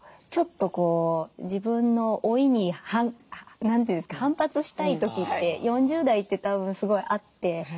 ちょっとこう自分の老いに何て言うんですか反発したい時って４０代ってたぶんすごいあって。